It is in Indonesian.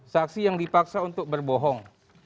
saksi yang dipaksa untuk berbohong